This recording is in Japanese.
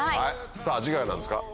さぁ次回は何ですか？